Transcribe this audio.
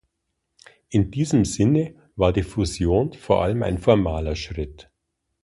In diesem Sinne war die Fusion vor allem ein formaler Schritt.